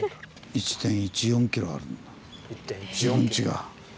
１．１４キロあるんだ自分ちが。